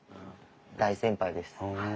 大先輩ですはい。